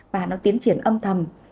và nó tiến triển âm thầm